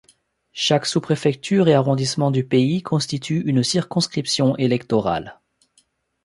Chaque sous-préfecture et arrondissement du pays constitue une circonscription électorale.